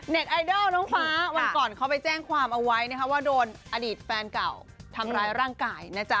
ไอดอลน้องฟ้าวันก่อนเขาไปแจ้งความเอาไว้นะคะว่าโดนอดีตแฟนเก่าทำร้ายร่างกายนะจ๊ะ